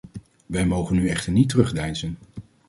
Wij mogen nu echter niet terugdeinzen.